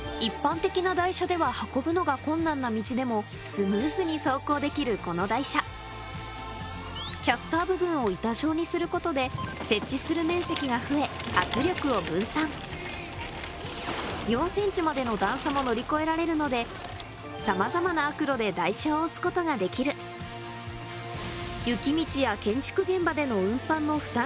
では運ぶのが困難な道でもスムーズに走行できるこの台車キャスター部分を板状にすることで接地する面積が増え圧力を分散４ｃｍまでの段差も乗り越えられるのでさまざまな悪路で台車を押すことができる雪道や建築現場での運搬の負担